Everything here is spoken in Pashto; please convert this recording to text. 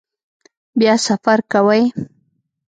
بیا سفر کوئ؟